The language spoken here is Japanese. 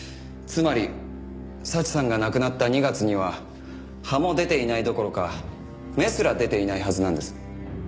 つまり早智さんが亡くなった２月には葉も出ていないどころか芽すら出ていないはずなんです。